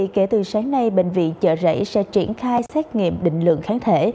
kể từ sáng nay bệnh viện chợ rẫy sẽ triển khai xét nghiệm định lượng kháng thể